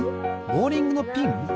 ボウリングのピン？